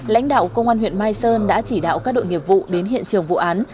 lãnh đạo công an huyện mai sơn đã chỉ đạo các đội nghiệp vụ đến hiện trường vụ án